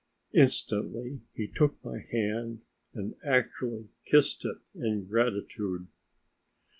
Instantly he took my hand and actually kissed it in gratitude.